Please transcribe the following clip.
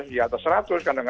seratus di atas seratus kan